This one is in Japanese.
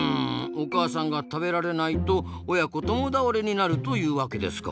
お母さんが食べられないと親子共倒れになるというわけですか。